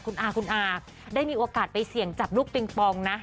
คุณอาคุณอาได้มีโอกาสไปเสี่ยงจับลูกปิงปองนะ